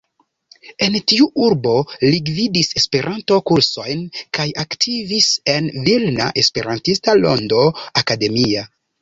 En tiu urbo li gvidis Esperanto-kursojn kaj aktivis en Vilna Esperantista Rondo Akademia.